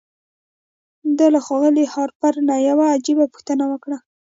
ده له ښاغلي هارپر نه يوه عجيبه پوښتنه وکړه.